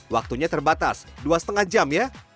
waktunya terbatas dua lima jam ya